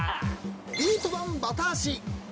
ビート板バタ足。